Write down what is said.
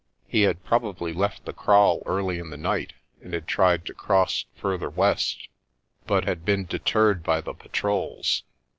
He had probably left the kraal early in the night and had tried to cross further west, but had been deterred by the patrols.